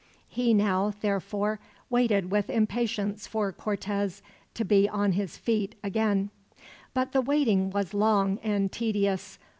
He now, therefore, waited with impatience for Cortez to be on his feet again. But the waiting was long and tedious.